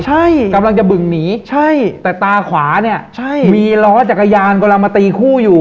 ใช่กำลังจะบึงหนีใช่แต่ตาขวาเนี่ยใช่มีล้อจักรยานกำลังมาตีคู่อยู่